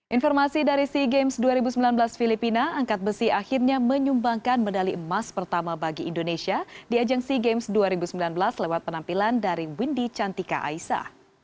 informasi dari sea games dua ribu sembilan belas filipina angkat besi akhirnya menyumbangkan medali emas pertama bagi indonesia di ajang sea games dua ribu sembilan belas lewat penampilan dari windy cantika aisa